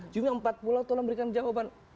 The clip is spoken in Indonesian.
cuma empat puluh pulau tolong berikan jawaban